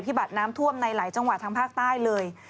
บัติน้ำท่วมในหลายจังหวัดทางภาคใต้เลย